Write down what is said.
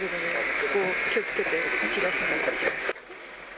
そこを気をつけて走らせます。